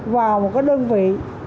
vào một cái đơn vị